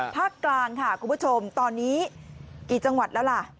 ภาคกลางค่ะคุณผู้ชมตอนนี้กี่จังหวัดแล้วล่ะ